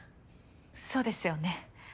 そうですよね。